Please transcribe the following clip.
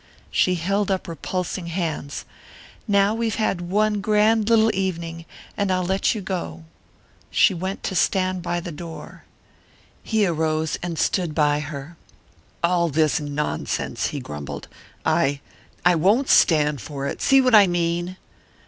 She held up repulsing hands. "Now we've had one grand little evening, and I'll let you go." She went to stand by the door. He arose and stood by her. "All this nonsense!" he grumbled. "I I won't stand for it see what I mean?"